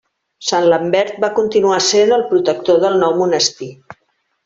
Sant Lambert va continuar essent el protector del nou monestir.